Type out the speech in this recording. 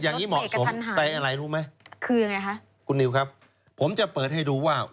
อย่างนี้เหมาะสมไปอะไรรู้ไหมคือยังไงคะคุณนิวครับผมจะเปิดให้ดูว่า